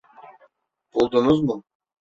Buldunuz mu?